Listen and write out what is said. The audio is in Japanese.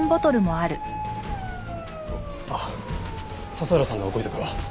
あっ佐々浦さんのご遺族は？